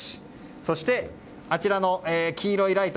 そして、あちらの黄色いライト